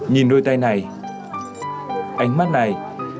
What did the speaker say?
nhìn đôi tay này ánh mắt này